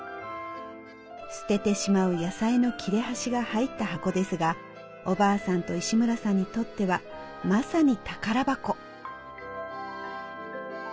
捨ててしまう野菜の切れ端が入った箱ですがおばあさんと石村さんにとってはまさに宝箱。